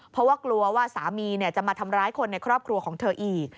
เพราะว่ากลัวว่าสามีจะมาทำร้ายคนในครอบครัวของเธออีก